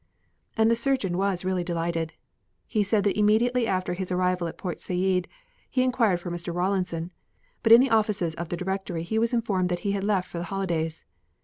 And the surgeon was really delighted. He said that immediately after his arrival at Port Said he inquired for Mr. Rawlinson, but in the offices of the directory he was informed that he had left for the holidays.